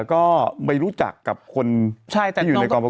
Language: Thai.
ก็ไม่รู้จักกับคนที่อยู่ในกองประกวดเหมือนกัน